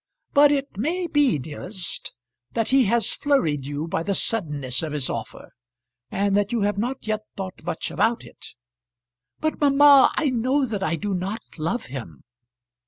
But it may be, dearest, that he has flurried you by the suddenness of his offer; and that you have not yet thought much about it." "But, mamma, I know that I do not love him."